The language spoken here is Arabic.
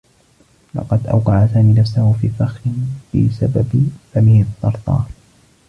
لقد أوقع سامي نفسه في فخّ بسبب فمه الثّرثار.